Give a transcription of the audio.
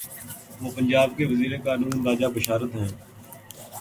وہ پنجاب کے وزیر قانون راجہ بشارت ہیں۔